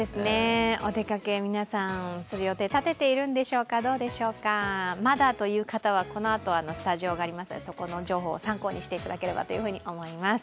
お出かけ、皆さんする予定立てているんでしょうか、どうでしょうかまだという方は、このあとスタジオがありますのでそこの情報を参考にしていただければと思います。